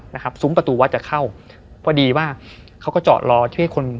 นะครับซุ้มประตูวัดจะเข้าพอดีว่าเขาก็จอดรอที่ให้คน